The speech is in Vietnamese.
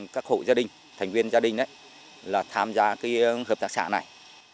các hội gia đình thành viên gia đình là tham gia cái hợp tác xã này